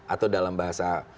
atau dalam bahasa